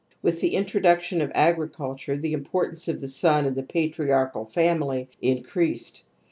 With the introduc tion of agriculture the importance of the son in the patriarchal family increased.